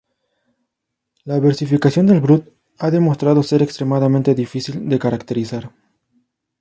La versificación del "Brut" ha demostrado ser extremadamente difícil de caracterizar.